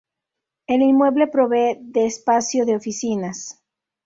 El inmueble provee de espacio de oficinas.